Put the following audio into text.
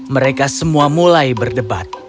mereka semua mulai berdebat